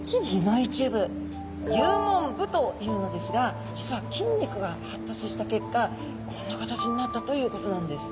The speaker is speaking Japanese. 幽門部というのですが実は筋肉が発達した結果こんな形になったということなんです。